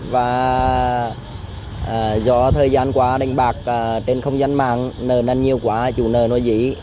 và do thời gian quá đánh bạc trên không gian mạng nợ năn nhiều quá chủ nợ nó dí